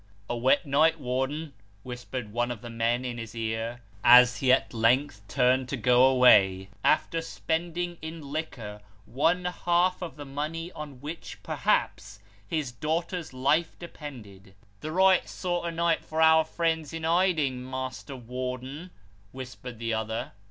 " A wet night, Warden," whispered one of the men in his ear, as he at length turned to go away, after spending in liquor one half of the money on which, perhaps, his daughter's life depended. " The right sort of night for our friends in hiding, Master Warden," whispered the other.